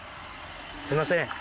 すいません